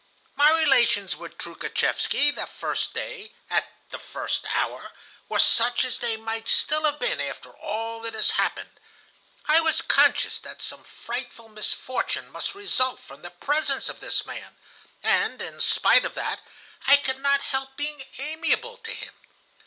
My relations with Troukhatchevsky the first day, at the first hour, were such as they might still have been after all that has happened. I was conscious that some frightful misfortune must result from the presence of this man, and, in spite of that, I could not help being amiable to him.